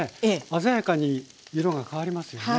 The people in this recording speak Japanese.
鮮やかに色が変わりますよね。